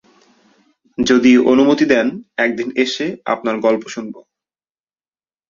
যদি অনুমতি দেন একদিন এসে আপনার গল্প শুনব।